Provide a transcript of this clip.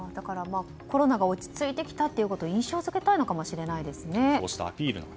コロナが落ち着いてきたということを印象付けたいのかもしれませんね。